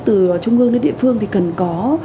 từ trung ương đến địa phương thì cần có